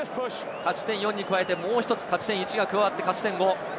勝ち点４に加えて、もう１つ勝ち点１が加わって勝ち点５。